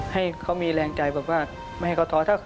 ให้เขามีแรงใจไม่ให้เขาท้อ